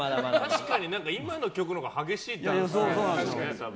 確かに今の曲のほうが激しい感じする。